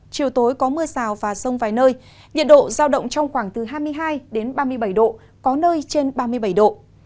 chiều tối có mưa rào và rông vài nơi nhiệt độ giao động trong khoảng từ hai mươi hai ba mươi bảy độ có nơi trên ba mươi bảy độ